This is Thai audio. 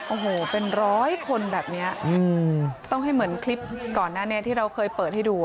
โอ้โหเป็นร้อยคนแบบนี้ต้องให้เหมือนคลิปก่อนหน้านี้ที่เราเคยเปิดให้ดู